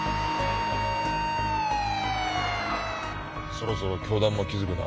そろそろ教団も気づくな。